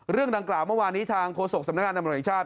เรื่องดังกล่าวเมื่อวานนี้ทางโฆษกสำนักงานตำรวจแห่งชาติ